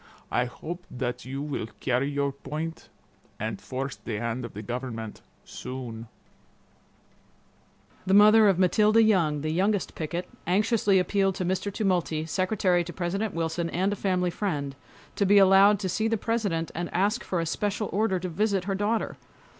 I hope that you will carry your point and force the hand of the government soon'." The mother of Matilda Young, the youngest picket, anxiously appealed to Mr. Tumulty, Secretary to President Wilson, and a family friend, to be allowed to see the President and ask for a special order to visit her daughter.